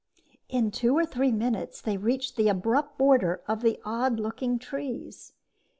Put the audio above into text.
In two or three minutes, they reached the abrupt border of the odd looking trees.